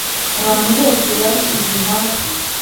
abantu bose banshyize hasi.